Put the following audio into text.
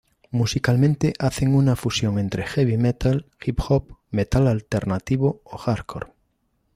Musicalmente hacen una fusión entre heavy metal, hip-hop, metal alternativo o hardcore.